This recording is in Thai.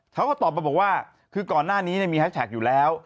เขาก็ตอบมาบอกว่าคือก่อนหน้านี้มีแฮชแท็กอยู่แล้ว